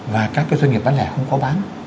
và các doanh nghiệp bán lẻ không có bán